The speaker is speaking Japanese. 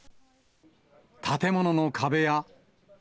建物の壁や。